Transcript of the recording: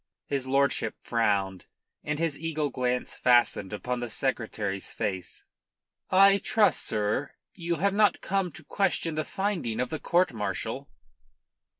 His lordship frowned, and his eagle glance fastened upon the Secretary's face. "I trust, sir, you have not come to question the finding of the court martial."